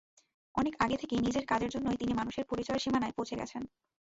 অনেক আগে থেকে নিজের কাজের জন্যই তিনি মানুষের পরিচয়ের সীমানায় পৌঁছে গেছেন।